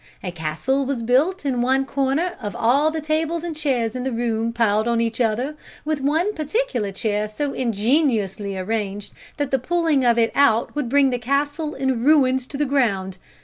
A castle was built in one corner of all the tables and chairs in the room piled on each other, with one particular chair so ingeniously arranged that the pulling of it out would bring the castle in ruins to the ground.